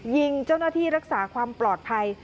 ยิงเจ้าหน้าที่รักษาความปลอดภัย